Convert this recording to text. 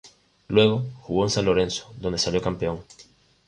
Luego, jugó en San Lorenzo, donde salió campeón.